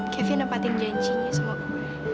kevin empatin janjinya sama gue